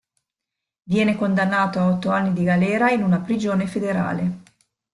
Viene condannato a otto anni di galera in una prigione federale.